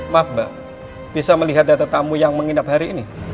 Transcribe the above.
maaf mbak bisa melihat data tamu yang menginap hari ini